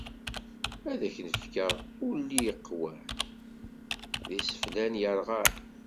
Ad ak-n-fkeɣ ulli iqewwan, d yiseflawen yerɣan.